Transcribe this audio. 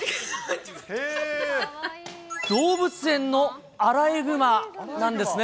動物園のアライグマなんですね。